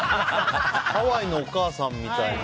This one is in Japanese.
ハワイのお母さんみたいな。